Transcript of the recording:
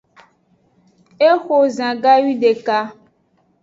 Exo zan gawideka.